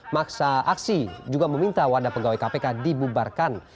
maksa aksi juga meminta wadah pegawai kpk dibubarkan